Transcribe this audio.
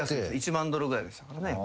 １万ドルぐらいでしたから。